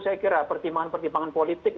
saya kira pertimbangan pertimbangan politik